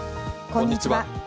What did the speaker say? こんにちは。